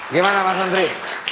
gimana mas menteri